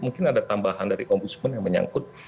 mungkin ada tambahan dari om busman yang menyangkut